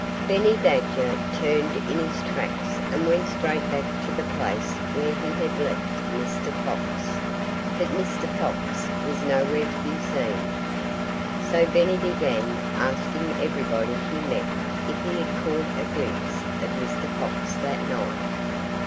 Benny Badger turned in his tracks and went straight back to the place where he had left Mr. Fox. But Mr. Fox was nowhere to be seen. So Benny began asking everybody he met if he had caught a glimpse of Mr. Fox that night.